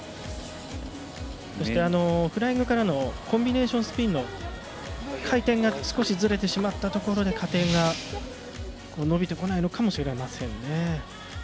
そして、フライングからのコンビネーションスピンの回転が少しずれてしまったところで加点が伸びてこないのかもしれません。